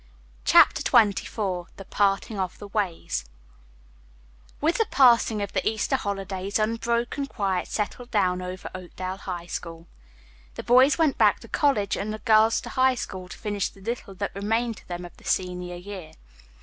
CHAPTER XXIV THE PARTING OF THE WAYS With the passing of the Easter holidays unbroken quiet settled down over Oakdale High School. The boys went back to college and the girls to High School to finish the little that remained to them of their senior year.